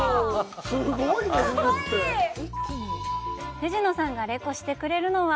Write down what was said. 藤野さんがレコしてくれるのは？